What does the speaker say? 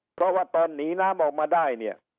เพราะว่าตอนหนีน้ำออกมาได้เนี่ย